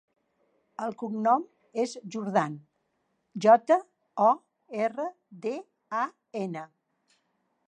El cognom és Jordan: jota, o, erra, de, a, ena.